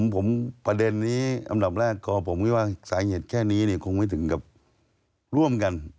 ผมประเด็นนี้อันดับแรกก็ผมคิดว่าสาเหตุแค่นี้คงไม่ถึงกับร่วมกัน